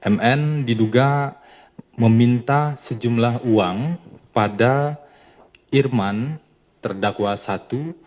mn diduga meminta sejumlah uang pada irman terdakwa satu